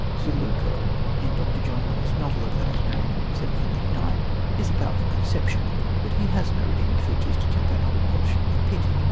Zeluco in Dr. John Moore's novel of that name (1789) is a powerful conception, but he has no redeeming features to temper our repulsion with pity.